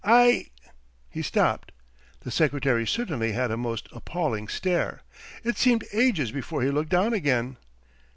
I " He stopped. The secretary certainly had a most appalling stare. It seemed ages before he looked down again.